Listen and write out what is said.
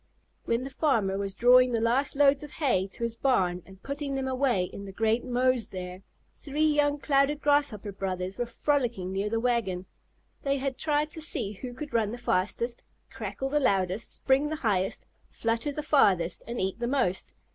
When the farmer was drawing the last loads of hay to his barn and putting them away in the great mows there, three young Clouded Grasshopper brothers were frolicking near the wagon. They had tried to see who could run the fastest, crackle the loudest, spring the highest, flutter the farthest, and eat the most.